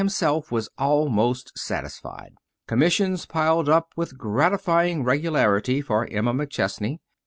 himself was almost satisfied. Commissions piled up with gratifying regularity for Emma McChesney.